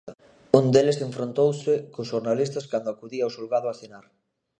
Un deles enfrontouse cos xornalistas cando acudía ao xulgado a asinar.